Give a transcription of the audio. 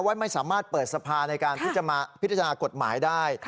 ว่าไม่สามารถเปิดสภาในการพิจารณากศกษาภาพรุธธรรมนี้ได้